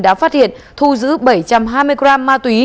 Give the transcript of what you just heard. đã phát hiện thu giữ bảy trăm hai mươi gram ma túy